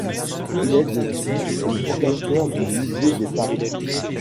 Il est de plus le fondateur du musée des Papes.